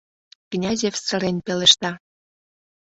— Князев сырен пелешта.